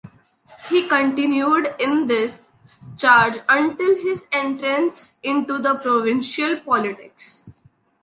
He continued in this charge until his entrance into the provincial politics.